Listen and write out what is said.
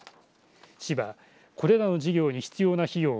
市はこれらの事業に必要な費用を